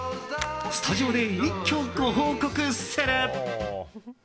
スタジオで一挙、ご報告する。